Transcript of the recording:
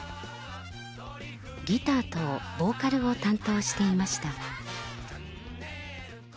ギターとボーカルを担当していました。